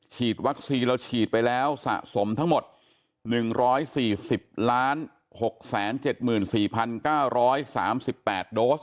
วัคซีนเราฉีดไปแล้วสะสมทั้งหมด๑๔๐๖๗๔๙๓๘โดส